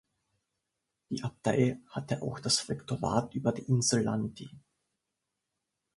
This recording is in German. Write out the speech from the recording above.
Die Abtei hatte auch das Rektorat über die Insel Lundy.